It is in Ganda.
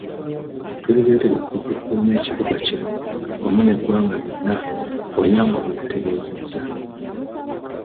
"Tuli beetegefu okukuuma ekibuga kino wamu n'eggwanga lyonna," Onyango bweyategeezezza.